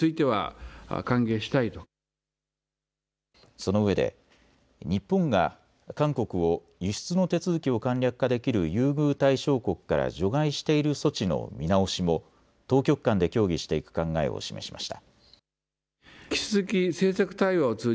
そのうえで日本が韓国を輸出の手続きを簡略化できる優遇対象国から除外している措置の見直しも当局間で協議していく考えを示しました。